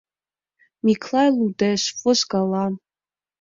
Миклай лудеш, возгала.